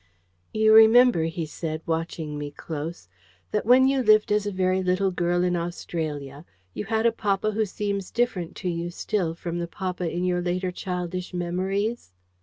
"You remember," he said, watching me close, "that when you lived as a very little girl in Australia you had a papa who seems different to you still from the papa in your later childish memories?"